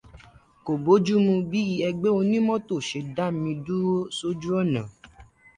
Kò bójú mu bí ẹgbẹ́ onímọ́tò ṣe dá mí dúró sójú ọ̀nà